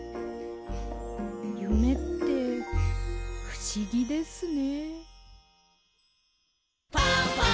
ゆめってふしぎですね。